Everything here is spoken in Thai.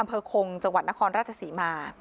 อำเภอคงจังหวัดนครราชศรีมา